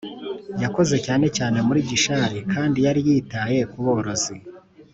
Yakoze cyane cyane muri Gishari kandi yari yitaye ku borozi